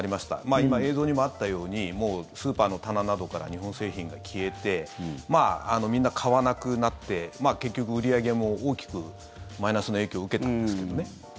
今、映像にもあったようにもう、スーパーの棚などから日本製品が消えてみんな買わなくなって結局、売り上げも大きくマイナスの影響を受けたんですけどね。